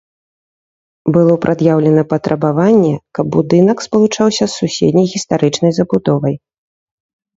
Было прад'яўлена патрабаванне, каб будынак спалучаўся з суседняй гістарычнай забудовай.